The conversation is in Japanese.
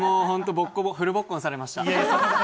フルボッコにされました。